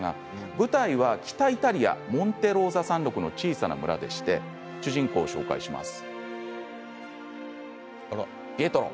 舞台は北イタリアモンテ・ローザ山麓の小さな村でして主人公を紹介します。